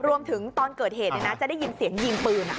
รวมถึงตอนเกิดเหตุจะได้ยินเสียงยิงปืน